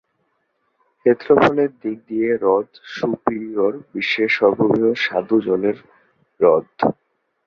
ক্ষেত্রফলের দিক দিয়ে হ্রদ সুপিরিয়র বিশ্বের সর্ববৃহৎ স্বাদু জলের হ্রদ।